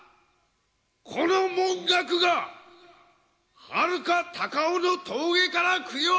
この文覚がはるか高尾の峠から供養せん！